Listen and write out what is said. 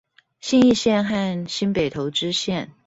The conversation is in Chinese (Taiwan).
信義線和新北投支線